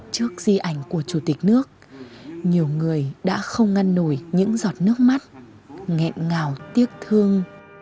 trước di ảnh của chủ tịch nước nhiều người đã không ngăn nổi những giọt nước mắt nghẹn ngào tiếc thương